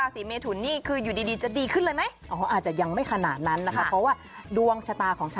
สตูจะแพ้ภัยตัวเอง